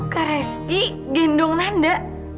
kak rizky gendong nanda